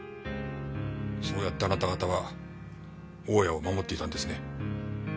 そうやってあなた方は大家を守っていたんですね？